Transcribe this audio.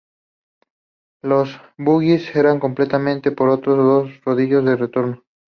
Los bogies eran complementados por otros dos rodillos de retorno.